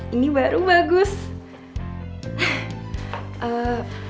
ini bagus nggak dirap